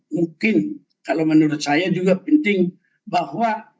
mungkin kalau menurut saya juga penting bahwa